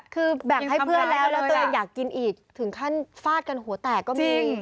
คือแบ่งให้เพื่อนแล้วแล้วตัวเองอยากกินอีกถึงขั้นฟาดกันหัวแตกก็มี